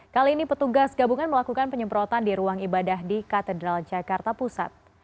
kali ini petugas gabungan melakukan penyemprotan di ruang ibadah di katedral jakarta pusat